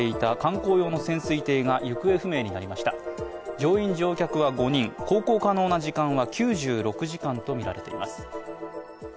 乗員乗客は５人、航行可能な時間は９６時間とみられています。